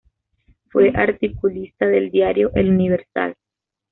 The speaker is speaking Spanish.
Fue articulista del diario El Universal.